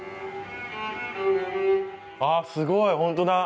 あすごいホントだ！